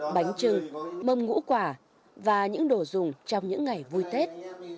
bánh trưng mâm ngũ quả và những đồ dùng trong những ngày vui tết